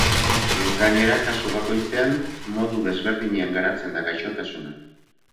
Gainera, kasu bakoitzean modu desberdinean garatzen da gaixotasuna.